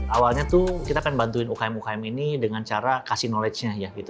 awalnya kita ingin membantu ukm ukm ini dengan cara memberikan pengetahuan